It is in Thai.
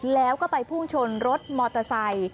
แล้วก็ไปพุ่งชนรถมอเตอร์ไซค์